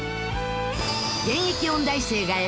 現役音大生が選ぶ